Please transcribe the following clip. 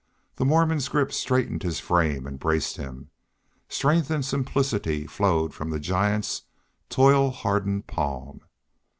The Mormon's grip straightened his frame and braced him. Strength and simplicity flowed from the giant's toil hardened palm.